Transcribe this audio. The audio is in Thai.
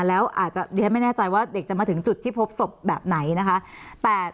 แล้วอาจจะเรียนไม่แน่ใจว่าเด็กจะมาถึงจุดที่พบศพแบบไหนนะคะ